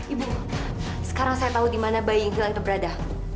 ibu sekarang saya tahu di mana bayi yang hilang itu berada